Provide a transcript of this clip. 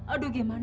aduh gimana ini